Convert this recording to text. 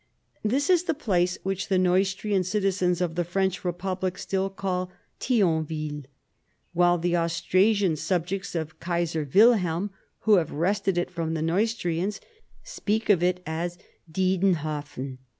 This is the place which the Neustrian citizens of the French Eepublic still call Thionville, Avhilethe Austrasian subjects of Kaiser Wilhelui, who have wrested it from the Neustrians, speak of it as Diedenhofen.